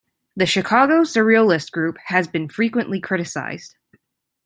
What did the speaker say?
The Chicago Surrealist Group has been frequently criticised.